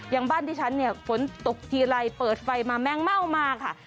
อย่างบ้านที่ฉันฝนตกทีไรเปิดไฟมาแม่งเม่ามาค่ะ